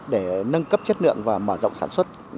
để nâng cấp chất lượng và mở rộng sản xuất